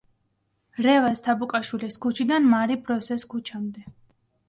რევაზ თაბუკაშვილის ქუჩიდან მარი ბროსეს ქუჩამდე.